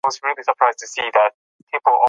ذهني ستونزې یې لا پای ته نه دي رسېدلې.